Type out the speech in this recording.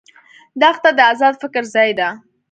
دښته د آزاد فکر ځای ده.